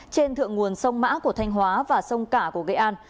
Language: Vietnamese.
trên thượng nguồn sông mã của thanh hóa và sông cả của nghệ an